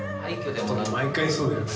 毎回そうだよね。